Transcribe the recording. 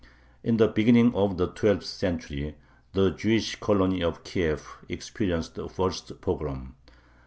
In the beginning of the twelfth century the Jewish colony of Kiev experienced the first pogrom.